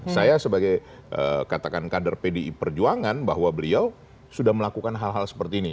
saya sebagai katakan kader pdi perjuangan bahwa beliau sudah melakukan hal hal seperti ini